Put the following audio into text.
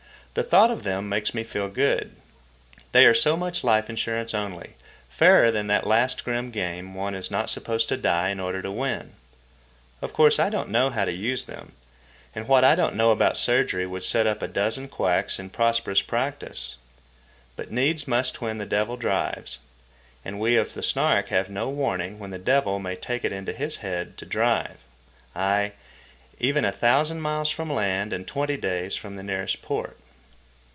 The thought of them makes me feel good. They are so much life insurance, only, fairer than that last grim game, one is not supposed to die in order to win. Of course, I don't know how to use them, and what I don't know about surgery would set up a dozen quacks in prosperous practice. But needs must when the devil drives, and we of the Snark have no warning when the devil may take it into his head to drive, ay, even a thousand miles from land and twenty days from the nearest port.